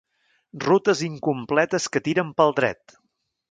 Rutes incompletes que tiren pel dret.